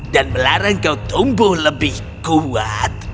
dan melarang kau tumbuh lebih kuat